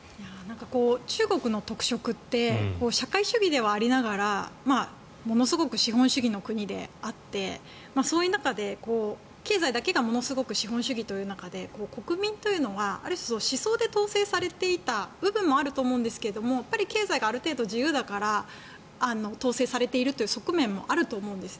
中国の特色って社会主義ではありながらものすごく資本主義の国であってそういう中で経済だけがものすごく資本主義という中で国民というのはある種思想で統制されていた部分もあると思うんですけど経済がある程度自由だから統制されているという側面もあると思うんです。